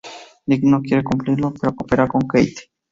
Nick no quiere cumplirlo, pero coopera con Kate.